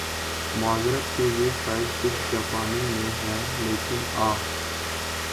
معذرت کہ یہ سائیٹ صرف جاپانی میں ھے لیکن آ